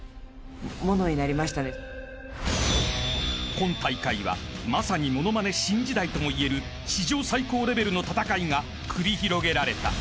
［今大会はまさにものまね新時代ともいえる史上最高レベルの戦いが繰り広げられた］